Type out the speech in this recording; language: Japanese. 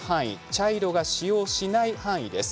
茶色が使用しない範囲です。